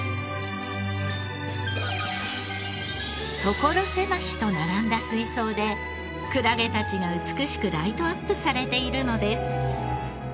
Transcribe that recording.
所狭しと並んだ水槽でクラゲたちが美しくライトアップされているのです。